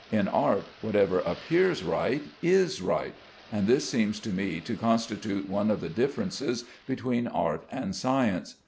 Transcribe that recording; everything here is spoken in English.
In art, whatever appears right is right, and this seems to me to constitute one of the differences between art and science.